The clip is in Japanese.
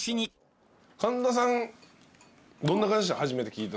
神田さんどんな感じでした？